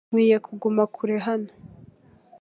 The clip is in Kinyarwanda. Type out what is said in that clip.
Nkwiye kuguma kure hano .